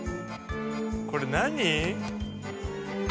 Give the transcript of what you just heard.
これ何？